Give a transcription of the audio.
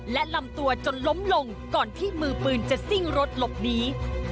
และลำตัวจนล้มลงก่อนที่มือปืนจะซิ่งรถหลบหนี